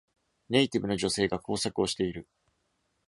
ネイティブの女性が工作をしている。